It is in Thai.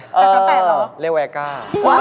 ๘๓๘หรอเลวอัลก้า